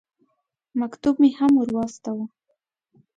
مکتوب مې هم ور واستاوه.